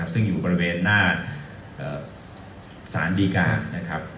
ซึ่งอยู่บริเวณหน้าสารดีการนะครับ